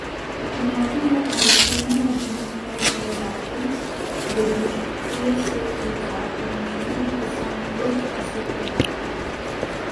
بنیادی حقائق علم نجوم میں دائرۃ البروج کے سے درجات پر مشمل قسم برج اسد کہلاتا ہے